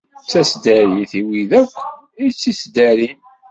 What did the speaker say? D taseddarit i wid akk i t-ittdarin.